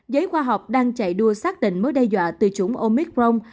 giới khoa học đang chạy đua xác định mối đe dọa từ chủng omicron